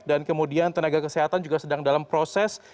dan kemudian tenaga kesehatan juga sedang dalam proses